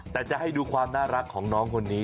แต่จะให้ดูความน่ารักของน้องคนนี้